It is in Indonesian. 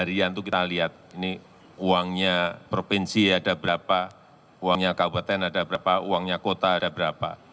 ini uangnya provinsi ada berapa uangnya kabupaten ada berapa uangnya kota ada berapa